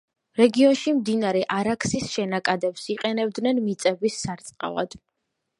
რეგიონში მდინარე არაქსის შენაკადებს იყენებდნენ მიწების სარწყავად.